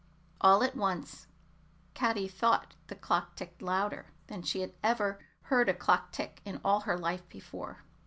All at once Caddy thought the clock ticked louder than she had ever heard a clock tick in all her life before.